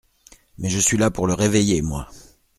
Mais je suis là pour le réveiller, moi !